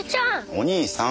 お兄さん。